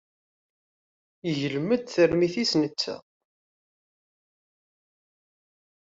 Iglem-d tarmit-is netta.